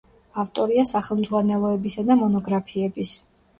ავტორია სახელმძღვანელოებისა და მონოგრაფიების.